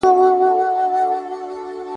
ما به ناره کړه په څه حال يې يه زما څراغه